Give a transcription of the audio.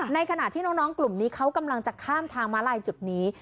ในขณะที่น้องกลุ่มนี้เขากำลังจะข้ามทางม้าลายจุดนี้